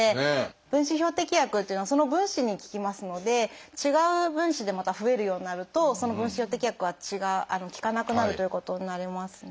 分子標的薬っていうのはその分子に効きますので違う分子でまた増えるようになるとその分子標的薬は違う効かなくなるということになりますね。